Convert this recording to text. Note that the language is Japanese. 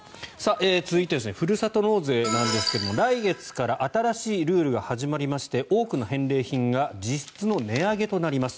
続いて、ふるさと納税なんですが来月から新しいルールが始まりまして多くの返礼品が実質の値上げとなります。